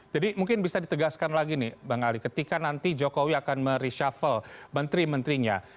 jadi mungkin bisa ditegaskan lagi nih bang ali ketika nanti jokowi akan mereshavel menteri menterinya